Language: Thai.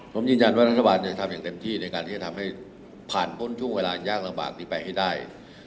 ผมยืนยันว่ารัฐบาลทำอย่างเต็มที่ในการที่จะทำให้ผ่านพ้นช่วงเวลายากลำบากนี้ไปให้ได้